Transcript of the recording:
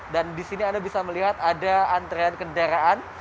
dan di sini anda bisa melihat ada antrean kendaraan